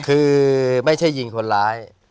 คือไม่ใช่ยิงคนร้าย